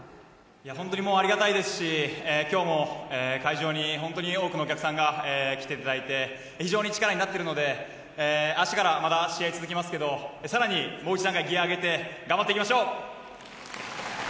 本当にありがたいですし今日も会場に多くのお客さんが来ていただいて非常に力になっているので明日からまた試合続きますが更にもう一段階ギヤを上げて頑張っていきましょう！